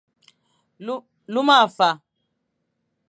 Luma mefa,